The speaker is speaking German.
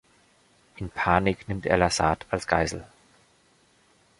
In Panik nimmt er Lassard als Geisel.